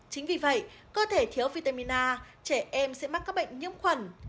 chính vì vậy cơ thể thiếu vitamin a trẻ em sẽ mắc các bệnh nhiễm khuẩn